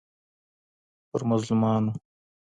پر مظلومانو